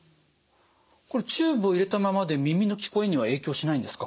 これチューブを入れたままで耳の聞こえには影響しないんですか？